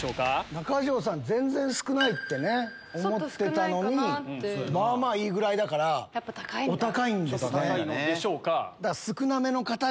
中条さん少ないって思ってたのにまぁまぁいいぐらいだからお高いんですね。